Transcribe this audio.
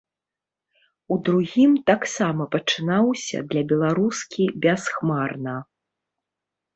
У другім таксама пачынаўся для беларускі бясхмарна.